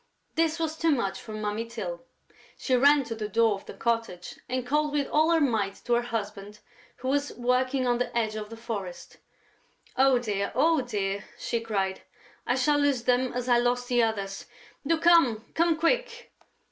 This was too much for Mummy Tyl. She ran to the door of the cottage and called with all her might to her husband, who was working on the edge of the forest: "Oh, dear, oh, dear!" she cried. "I shall lose them as I lost the others!... Do come!... Come quick...."